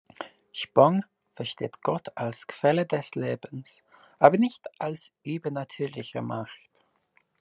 Spong versteht Gott als Quelle des Lebens, aber nicht als übernatürliche Macht.